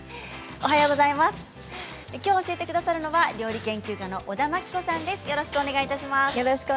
きょう教えてくださるのは料理研究家の小田真規子さんです。